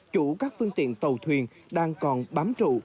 chủ các phương tiện tàu thuyền đang còn bám trụ